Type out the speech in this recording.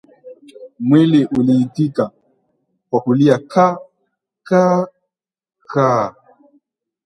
Mwili uliitika kwa kulia ka kaa kaa